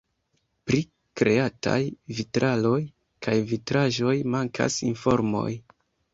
Pri kreataj vitraloj kaj vitraĵoj mankas informoj.